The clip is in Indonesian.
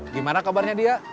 gimana kabarnya dia